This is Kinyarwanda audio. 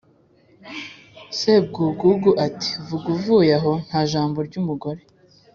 sebwugugu ati: "vuga uvuye aho nta jambo ry' umugore.